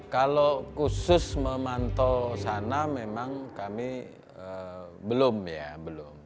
kalau khusus memantau sana memang kami belum ya belum